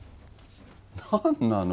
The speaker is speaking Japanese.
何なの？